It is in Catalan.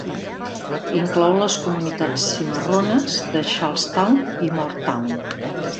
Inclou les comunitats cimarrones de Charles Town i Moore Town.